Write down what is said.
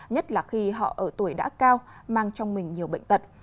nhất là khi họ ở tuổi đã cao mang trong mình nhiều bệnh tật